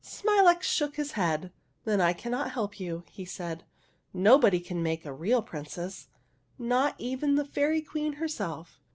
Smilax shook his head. " Then I cannot help you," he said. '' Nobody can make a real princess, — not even the Fairy Queen her self.